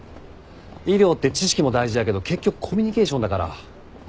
医療って知識も大事だけど結局コミュニケーションだから。